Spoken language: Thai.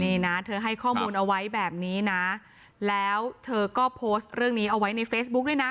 นี่นะเธอให้ข้อมูลเอาไว้แบบนี้นะแล้วเธอก็โพสต์เรื่องนี้เอาไว้ในเฟซบุ๊คด้วยนะ